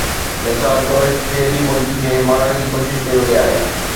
مثال طور، هڪ قيدي مرغي کي مارڻ جي ڪوشش ڪئي وئي آهي